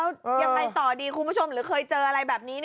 แล้วยังไงต่อดีคุณผู้ชมหรือเคยเจออะไรแบบนี้